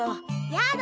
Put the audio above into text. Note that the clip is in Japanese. やだ